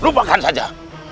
lala lupakan saja